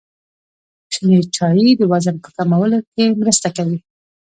شنې چايي د وزن په کمولو کي مرسته کوي.